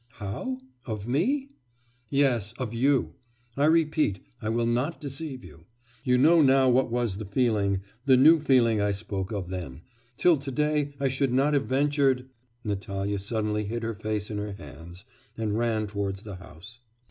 'How? of me?' 'Yes, of you; I repeat, I will not deceive you. You know now what was the feeling, the new feeling I spoke of then.... Till to day I should not have ventured...' Natalya suddenly hid her face in her hands, and ran towards the house.